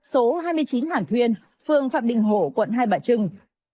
số hai mươi chín hàng thuyên phường phạm đình hổ quận hai bạch trưng